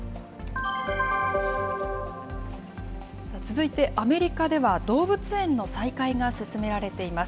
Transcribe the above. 続いて、アメリカでは動物園の再開が進められています。